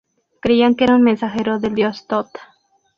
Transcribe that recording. Creían que era un mensajero del dios Tot.